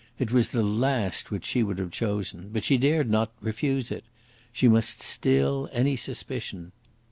It was the last which she would have chosen. But she dared not refuse it. She must still any suspicion.